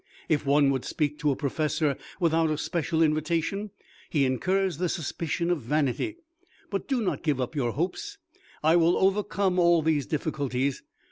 If one would speak to a professor without a special invitation, he incurs the suspicion of vanity. But do not give up your hopes. I will overcome all these difficulties.